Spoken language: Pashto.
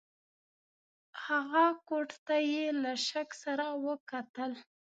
هغه کوټ ته یې له شک سره وکتل.